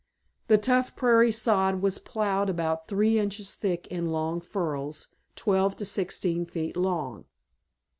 The tough prairie sod was plowed about three inches thick in long furrows twelve to sixteen feet long.